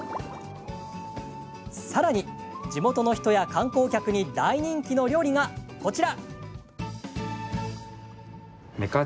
さらに、地元の人や観光客に大人気の料理がこちら。